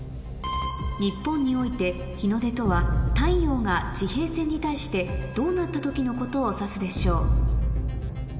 日本において日の出とは太陽が地平線に対してどうなった時のことを指すでしょう？